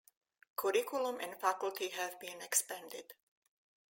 Curriculum and faculty have been expanded.